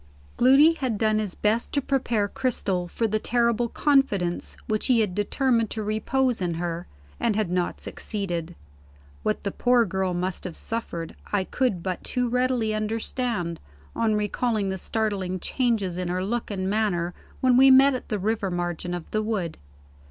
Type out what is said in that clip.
Gloody had done his best to prepare Cristel for the terrible confidence which he had determined to repose in her, and had not succeeded. What the poor girl must have suffered, I could but too readily understand, on recalling the startling changes in her look and manner when we met at the river margin of the wood.